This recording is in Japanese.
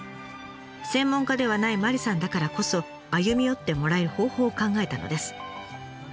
専門家ではない麻里さんだからこそ歩み寄ってもらえる方法を考えたのです。